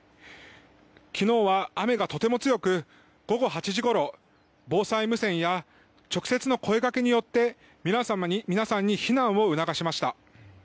昨日は雨がとても強く午後８時ごろ防災無線や直接の声掛けによって皆さんに避難を促しました。